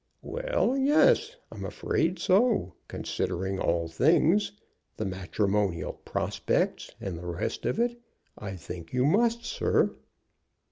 "Well, yes; I'm afraid so. Considering all things, the matrimonial prospects and the rest of it, I think you must, sir."